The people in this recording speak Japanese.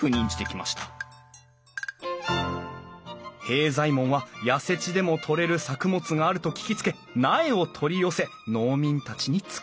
平左衛門は痩せ地でも採れる作物があると聞きつけ苗を取り寄せ農民たちにつくらせた。